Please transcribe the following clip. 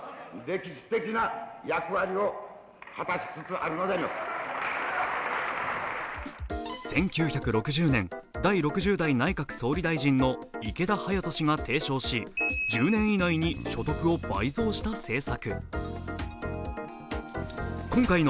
そもそもこの所得倍増計画とは１９６０年第６０代内閣総理大臣の池田勇人氏が提唱し１０年以内に所得を倍増した政策。